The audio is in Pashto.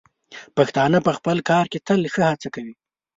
پښتانه په خپل کار کې تل ښه هڅه کوي.